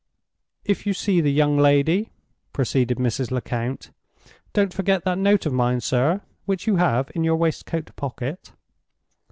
"If you see the young lady," proceeded Mrs. Lecount, "don't forget that note of mine, sir, which you have in your waistcoat pocket."